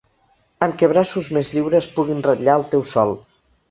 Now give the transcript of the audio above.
Amb què braços més lliures puguin ratllar el teu sòl.